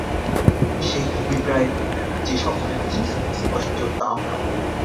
সেই অভিপ্রায় যে সকলের কাছে সুস্পষ্ট তাও নয়।